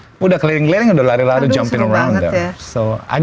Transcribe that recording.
terus ada kayak adegan adegan itu lari lari segala macem mereka mau kayak test camp aja gitu